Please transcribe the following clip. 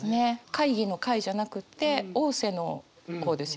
「会議」の「会」じゃなくて「瀬」の方ですよね。